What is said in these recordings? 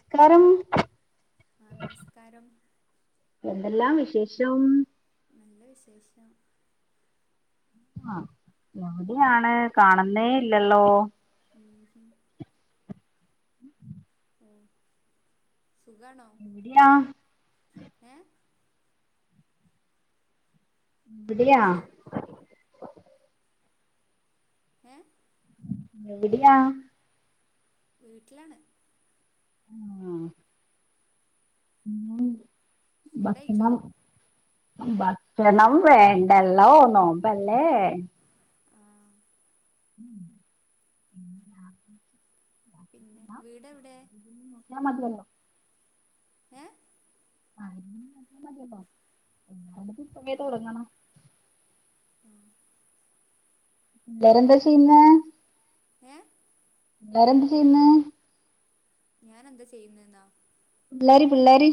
സ്കാരം ആ നമസ്കാരം ശേഷം നല്ല വിശേഷം ആ ആ എവിടെയാണ് കാണുന്നേ ഇല്ലല്ലോ ഉം ഓ സുഖണോ എവിടെയാ ഏ വിടിയാ സു ഏ എവിടയാ വീട്ടിലാണ് ആഹ് [unintelligible] ഫുഡ് കഴിച്ചോ ഭക്ഷണം ഭക്ഷണം വേണ്ടല നോമ്പല്ലേ ആ [inaudible] ആ പിന്നെ വീടെവിടെ [inaudible] നോക്കിയ മതിയല്ലോ ഏ [inaudible] [unintelligible] തുടങ്ങണം ആഹ് എല്ലരും എന്താ ചെയ്യുന്നേ ഏ പിള്ളാര് എന്ത് ചെയ്യുന്ന് ഞാൻ എന്താ ചെയ്യുന്നേന്നോ പിള്ളേര് പിള്ളേര്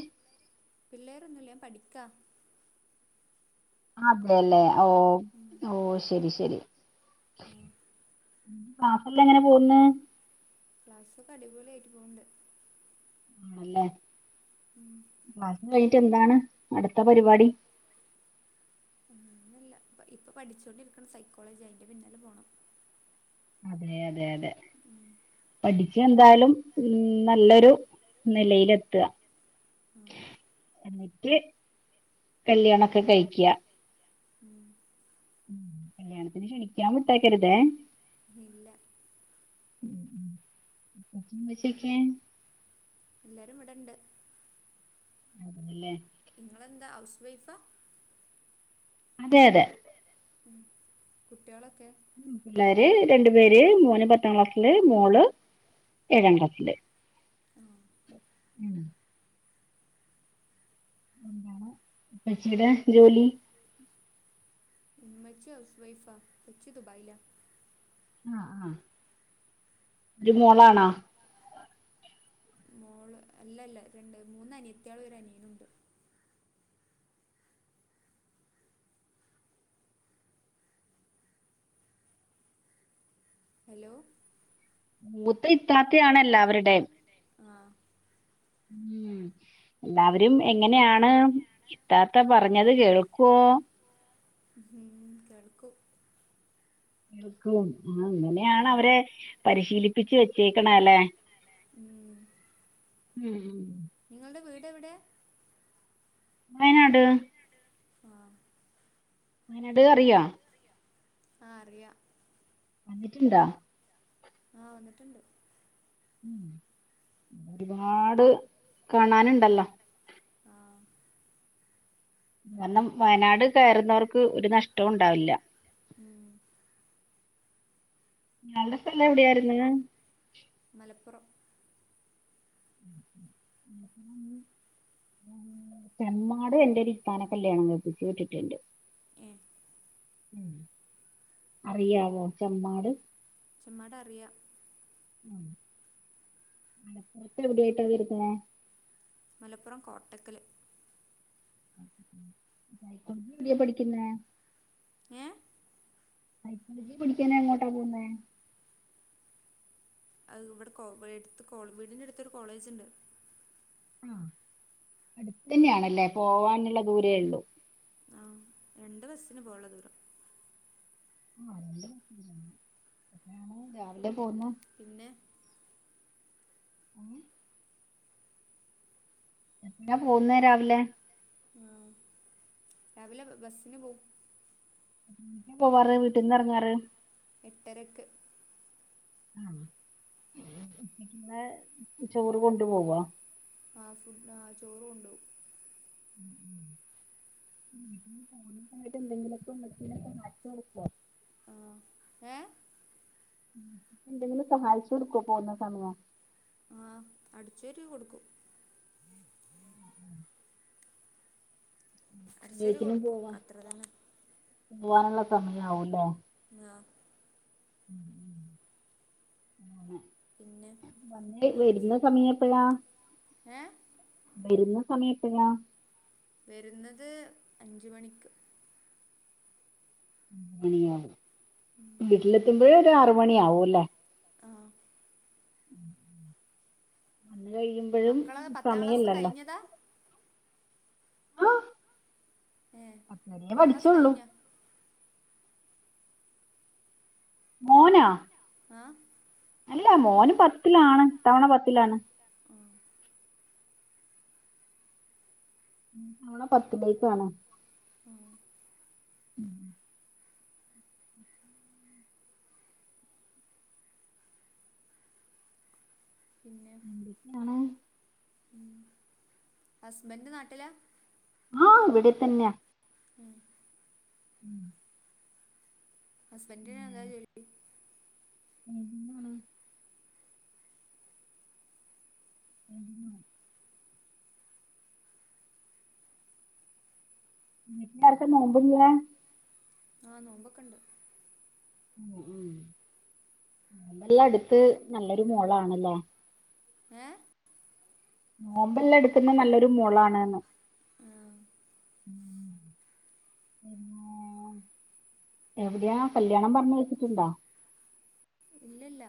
പിള്ളേരൊന്നുല്ല ഞാൻ പഠിക്കാ അതെല്ലേ ഓ ഓ ശരി ശരി ഉമ് ക്ലാസല്ലാം എങ്ങനെ പോവ്ന്ന് ക്ലാസ്സ് ഒക്കെ അടിപൊളി ആയിട്ട് പോവ്ണ്ട് ആണല്ലേ ഉം [unintelligible] റ്റ് എന്താണ് അടുത്ത പരിപാടി [unintelligible] ല്ല ഇപ്പൊ പഠിച്ചോണ്ടിരിക്ണ സൈക്കോളജിയാ. അയിന്റെ പിന്നാലെ പോണം അതെ അതെ അതെ ഉം പഠിച്ച് എന്തായാലും ഉം നല്ലൊരു നിലയിലെത്ത്വാ [unintelligible] എന്നിട്ട് കല്യാണോക്കെ കഴിക്ക്യാ [unintelligible] മ്കല്യാണത്തിന് ക്ഷണിക്കാൻ വിട്ടേ ക്കരുതെ ഇല്ല മ് മ് ഉമ്മച്ചിയൊക്കെ എല്ലാരും വിടെണ്ട് അതേല്ലേ നിങ്ങളെന്താ ഹൗസ് വൈഫാ അതെ അതെ കുട്ടിയോളൊക്കെ പിള്ളേര് രണ്ടു പേര് മോന് പത്താം ക്ലാസില് മോള് ഏഴാം ക്ലാസില് ആ ഉപ്പച്ചിടെ ജോലി ഉമ്മച്ചി ഹൗസ് വൈഫാ ഉപ്പച്ചി ദുബായില ആ ആ ഒരു മോളാണോ മോള് അല്ലല്ല രണ്ട് മൂന്ന് അനിയത്തയള് ഒരു അനിയനുണ്ട് ഹലോ മൂത്ത ഇത്താത്ത ആണ് എല്ലാവരുടേം ആ ഉം എല്ലാവരും എങ്ങനെയാണ് ഇത്താത്ത പറഞ്ഞത് കേൾക്കോ വോ ഉം കേൾക്കും കേൾക്കും ആ അങ്ങനെയാണ് അവരെ പരിശീലിപ്പിച്ചു വെച്ചേക്കണെ അലെ ഉം ഉം നിങ്ങൾടെ വീട് എവിടെ വയനാട് ആ വയനാട് അറിയോ ആ അറിയാം വന്നിട്ട്ണ്ടാ ആ വന്നിട്ട്ണ്ട് ഒരുപാട് കാണാന്ണ്ടല്ലോ ആ കാരണം വയനാട് കയറുന്നവർക്ക് ഒരു നഷ്ടവുംണ്ടാവില്ല ഉം ഇയാൾടെ സ്ഥലം എവിടെയാര്ന്ന് മലപ്പുറം ചെമ്മാട് എന്റെ ഒരു ഇത്താനെ കല്യാണം കഴിപ്പിച്ച് വിട്ടിട്ട്ണ്ട് ഏ അറിയാവോ ചെമ്മാട് ചെമ്മാടറിയ മലപ്പുറത്തെവിടെയായിട്ടാ വര്ന്നെ മലപ്പുറം കോട്ടക്കല് എവിടെയാ പഠിക്ക്ന്നേ ഏ [unintelligible] ക്കാനെങ്ങോട്ടാ പോവുന്നേ അത് ഇവ്ടെ കോ വീട്ത്ത് കോ വീടിന്റെ അട്ത്തൊര് കോളേജ്ണ്ട് ആ അടുത്തന്നെയാണല്ലേ പോവാനുള്ള ദൂരേ ഉള്ളു ആ രണ്ട് ബസ്സ്ന് പോവാൻള്ള ദൂരം ആ രണ്ട്ബസ്സ്ന് പോണം എപ്പഴാണ് രാവിലെ പോകുന്ന പിന്നെ ഉമ്മി എങ്ങനാ പോവുന്നേ രാവിലെ ആ രാവിലെ ബസ്സിന് പോവും എത്രമണിക്കാ പോവാറ് വീട്ടിന്നെറങ്ങാറ് എട്ടരക്ക് ആ ഉച്ചക്ക്ള്ള ചോറ് കൊണ്ടു പോവോ ആ ഫുഡ് ആ ചോറ്കൊണ്ടോവും ഉം ഉം വീട്ടിന്ന് പോകുന്നസമയത്ത് എന്തെങ്കിലൊക്കെ ഉമ്മച്ചീനെ സഹായിച്ച് കൊട്ക്കോ ആ ഏ ഉമ്മച്ചിക്കെന്തെങ്കിലും സഹായിച്ചു കൊടുക്കോ പോവുന്ന സമയം ആ അടിച്ച്വാരി കൊട്ക്കും ആഹ് ഉം അടിച്ച്വാരി കൊടുക്കും അത്രതന്നെ പൂവാനുള്ള സമയാവുംലെ ആ മ്മ്-മ്മ് അങ്ങനെ പിന്നെ നന്നേ വരുന്ന സമയെപ്പളാ ഏ വരുന്ന സമയെപ്പഴാ വരുന്നത് അഞ്ച് മണിക്ക് അഞ്ച്മണിയാവും വീട്ടിലെത്തുമ്പഴ് ഒരാറ്മണിയാവുഅല്ലേ ആഹ് വന്ന് കഴിയുമ്പോഴും മക്കള് പത്താം ക്ലാസ് സമയില്ലല്ലോ കഴിഞ്ഞതാ ഏ അങ്ങനേ പത്താം ക്ലാസ് പഠിച്ചൊള്ളു കഴിഞ്ഞാ മോനാ എഹ് അല്ല മോന് പത്തിലാണ് ഇത്തവണ പത്തിലാണ് ഇത്തവണ പത്തിലേക്കാണാ ഉംഹ് ഉം എന്തൊക്കെയാണ് ഉം ഹസ്ബന്റ് നാട്ടിലാ ആഹ് ഇവിടെതന്നെയാ ഉം ഉംഹ് ഹസ്ബന്റ്ന് എന്താജോലി വെൽഡിങ്ങാണ് വെൽഡിങ് വീട്ടുലാർക്കാ നോമ്പില്ല്യേ ആഹ് നോമ്പൊക്ക്ണ്ട് ഉം-ഉം നോമ്പെല്ലാട്ത്ത് നല്ലൊരു മോളാണല്ലേ ഏ നോമ്പെല്ലാട്ക്കുന്ന നല്ലൊരു മോളാണ്ന്ന് ആ ഉംഹ് പിന്ന എവിടെയാ കല്യാണം പറഞ്ഞ് വെച്ചിട്ടുണ്ടാ ഇല്ലല്ല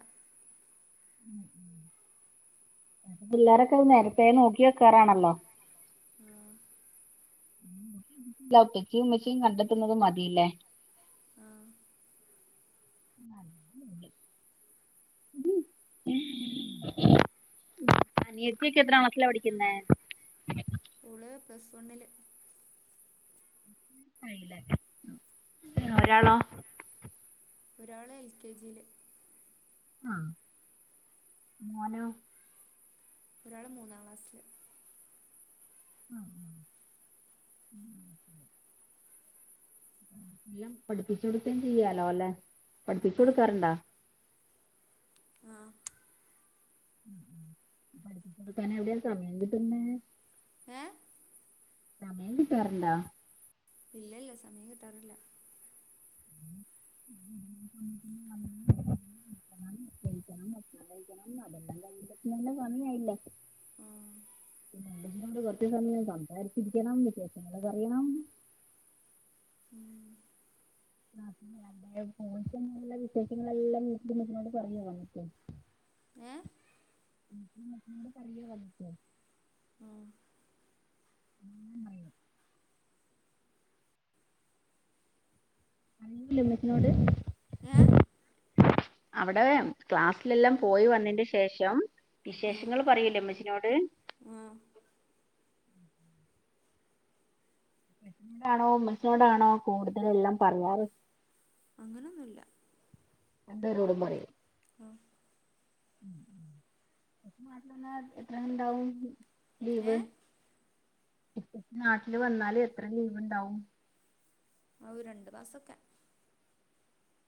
പിള്ളേരൊക്കെ അത് നേരത്തെ നോക്കി വെക്കാറാണ് ആണോ ആ ല്ല ഉപ്പച്ചി ഉമ്മച്ചിം കണ്ടെത്തുന്നത് മതില്ലേ ആ അത് മതി അനിയത്തിക്കെ എത്രാം ക്ലാസ്സിലാ പഠിക്കുന്നേ ഓള് പ്ലസ് വണ്ണില് ആയില്ലേ ഉം ഒരാളോ ഒരാള് എൽ കെ ജി ല് ആ മോനോ? ഒരാള് മൂന്നാം ക്ലാസ്സില് ആ ഉം ഉം ഉം എല്ലാം പഠിപ്പിച്ചു കൊടുക്കേം ചെയ്യാലോല്ലെ ആ പഠിപ്പിച്ചൊടുക്കാറുണ്ടോ ആ ഉം ഉം പഠിപ്പിച്ചൊടുക്കാനെവിടെയാ സമയം കിട്ടുന്നെ ഏ സമയം കിട്ടാറുണ്ടോ ഇല്ലല്ല സമയം കിട്ടാറില്ല [inaudible] ക്കണം അതെല്ലാം കഴിയുമ്പഴ്ക്കും പിന്നെ സമയായില്ലേ ആ പിന്നെ [unintelligible] [unintelligible] സംസാരിച്ചിരിക്കണം വിശേഷങ്ങള് പറയണം ഉം ആ [unintelligible] പോയിട്ട് വന്ന്ള്ള വിശേഷങ്ങളെല്ലാം വീട്ടില് [unintelligible] പറയോ വന്നിട്ട് ഏ [inaudible] പറയോ വന്നിട്ട് ഉം എന്നും പറയോ പറില്ലോഉമ്മച്ചീനോട് ഏ അവടെ ക്ലാസ്സിലെല്ലാം പോയി വന്നേന്റെ ശേഷം വിശേഷങ്ങള് പറയീലെ ഉമ്മച്ചീനോട് ആ ഇപ്പച്ചിനോടാണോ ഉമ്മച്ചിനോടാണോ കൂടുതലെല്ലാം പറയാറ് അങ്ങനൊന്നുല്ല രണ്ടെരോടും പറയും ആ ഉം ഉം [unintelligible] എത്ര ഇണ്ടാവും ഏ ലീവ് ഇപ്പച്ചി നാട്ടില് വന്നാല് എത്ര ലീവ് ഇണ്ടാവും ആ ഒരണ്ടു മാസൊക്കെ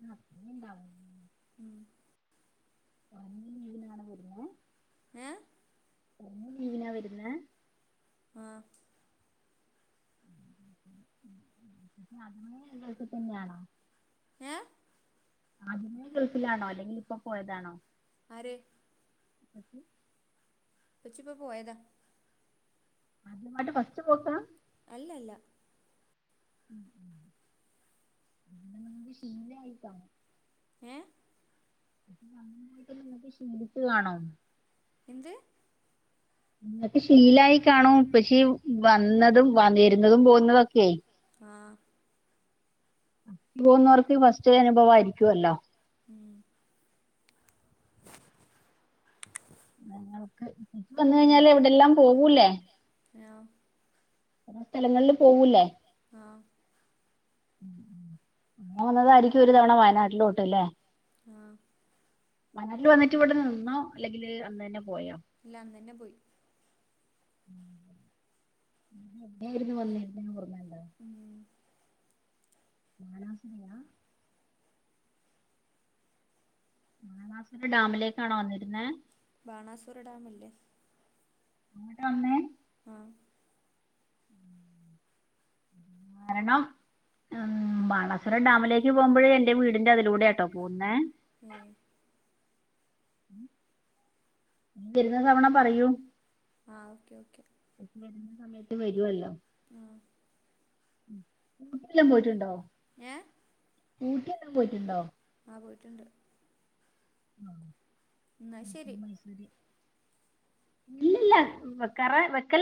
ആ അത്രേണ്ടാവുല്ലേ ഉം കുറഞ്ഞ ലീവിനാണോ വരുന്നേ ഏ കുറഞ്ഞലീവിനാ വരുന്നേ ആ ആദ്യമേ ഈ ഗൾഫ് തന്നേണോ ഏ ആദ്യമേ ഗൾഫിലാണോ അല്ലെങ്കിലിപ്പൊ പോയതാണോ ആര് ഇപ്പച്ചി ഉപ്പച്ചിപ്പോ പോയതാ ആദ്യമായിട്ട് ഫസ്റ്റ് പോക്കാ അല്ലല്ല ഉം ഉം പിന്നെ ങ്ങക്ക് ശീലായി കാണും ഏ ഈ വന്നും പോയിട്ടൊന്നും ങ്ങക്ക് ശീലിച്ചു കാണും എന്ത് ഇങ്ങക്ക് ശീലായി കാണും പക്ഷേ വന്നതും വാ ന്നെരുന്നതും പോവുന്നതും ഒക്കെ ആ പോന്നോർക്കെ ഫസ്റ്റെ അനുഭവായിരിക്കൊല്ലോ ഉം ഞങ്ങൾക്ക്. വന്ന് ഉം കഴിഞ്ഞാല് ഇവിട്തെല്ലാം പോവൂല്ലേ? ആ സ്ഥെലങ്ങളില് പോവൂല്ലേ ആ ആ വന്നതായിരിക്കും ഒരു തവണ വയനാട്ടിലോട്ട് ല്ലേ ആഹ് വയനാട്ടില് വന്നിട്ട് ഇവിടെ നിന്നോ ഇല്ലെങ്കില് അന്നന്നെ പോയാ? ഇല്ല അന്ന്ന്നെ പോയി [unintelligible] ഉം [unintelligible] വാണാസുര ഡാമിലേക്കാണോ വന്നിരുന്നേ ബാണാസുര ഡാമല്ലേ? വന്നേ ആ വരണം ഉം ബാണസുരം ഡാമിലേക്ക് പോവുമ്പൊഴേ എന്റെ വീടിന്റെ അതിലൂടെയാട്ടോ പോകുന്നേ ഉം വരുന്ന തവണ പറയൂ ആഹ് ഓക്കേ ഓക്കേ വരുവല്ലോ [unintelligible] പോയിട്ടുണ്ടോ? ഏ ഊട്ടിയെല്ലാം പോയിട്ടുണ്ടോ? ആ പോയിട്ടുണ്ട് എന്നാൽ ശരി മൈസൂര് ഇല്ല് ഇല്ല വെക്കാറേ വെക്കല്ലേ